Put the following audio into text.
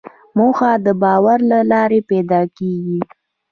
موخه د باور له لارې پیدا کېږي.